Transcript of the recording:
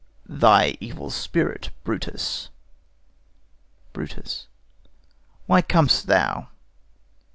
Thy evil spirit, Brutus. BRUTUS. Why com'st thou?